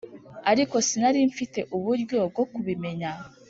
ariko sinari mfite uburyo bwo kubimenya